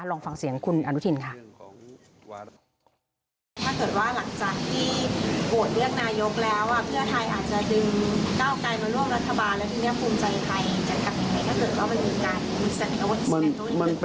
ลองฟังเสียงคุณอนุทินค่ะ